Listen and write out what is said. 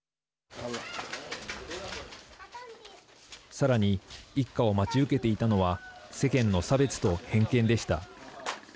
さらに一家を待ち受けていたのは世間の差別と偏見でした。